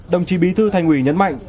đồng chí bí thư thành ủy nhấn mạnh